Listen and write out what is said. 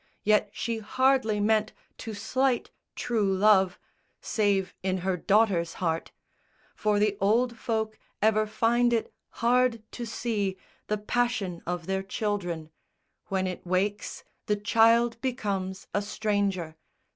Yet she hardly meant To slight true love, save in her daughter's heart; For the old folk ever find it hard to see The passion of their children. When it wakes, The child becomes a stranger.